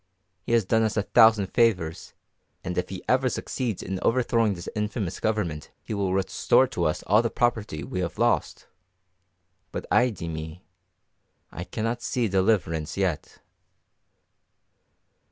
He has done us a thousand favours, and if he ever succeeds in overthrowing this infamous government he will restore to us all the property we have lost. But ai de mi, I cannot see deliverance yet."